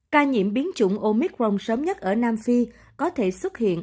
ca nhiễm biến chủng omicron sớm nhất ở nam phi có thể xuất hiện